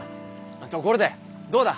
ところでどうだ？